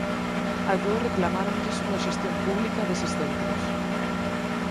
A todos reclamáronlles unha xestión pública deses centros.